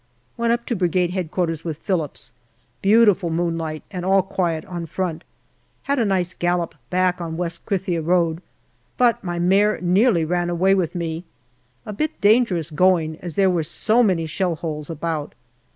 Went up to Brigade H.Q. with Phillips. Beautiful moonlight, and all quiet on front. Had a nice gallop back on West Krithia road, but my mare nearly ran away with me ; a bit dangerous going, as there were so many shell holes about.